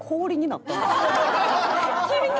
急に？